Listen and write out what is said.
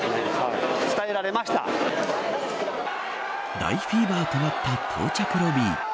大フィーバーとなった到着ロビー。